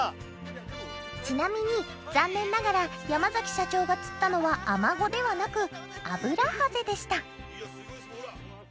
ちなみに残念ながら山崎社長が釣ったのはアマゴではなく「アブラハゼ」でしたいやすごいすごいほら。